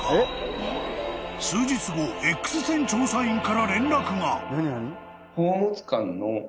［Ｘ線調査員から連絡が］